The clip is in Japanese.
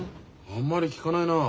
あんまり聞かないなあ。